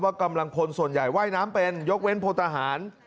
กำลังคนส่วนใหญ่ว่ายน้ำเป็นยกเว้นพลทหาร